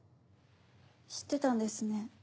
知ってたんですね？